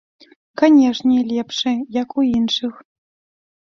Канешне, лепшы, як у іншых.